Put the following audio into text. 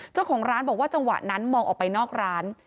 เจ้าของร้านบอกว่าจังหวะนั้นมองออกไปนอกร้าน